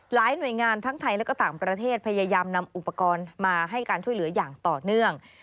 หน่วยงานทั้งไทยและก็ต่างประเทศพยายามนำอุปกรณ์มาให้การช่วยเหลืออย่างต่อเนื่อง